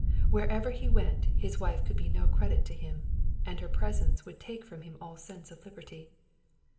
Wherever he went, his wife could be no credit to him, and her presence would take from him all sense of liberty!